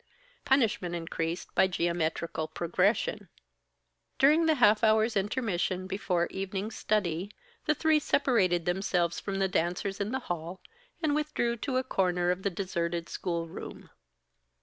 Punishment increased by geometrical progression. During the half hour's intermission before evening study, the three separated themselves from the dancers in the hall, and withdrew to a corner of the deserted schoolroom.